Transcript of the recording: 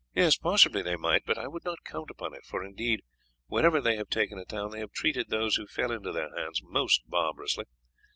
"Possibly they might, but I would not count upon it, for indeed wherever they have taken a town they have treated those who fell into their hands most barbarously.